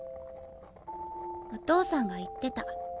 お父さんが言ってた。